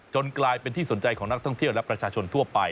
กลายเป็นที่สนใจของนักท่องเที่ยวและประชาชนทั่วไป